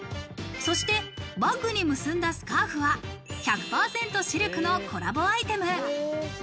そして、バッグに結んだスカーフが１００％シルクのコラボアイテム。